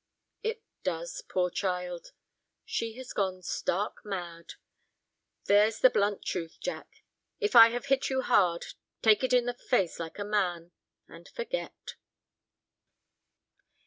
"It does, poor child. She has gone stark mad. There's the blunt truth, Jack. If I have hit you hard, take it in the face like a man—and forget."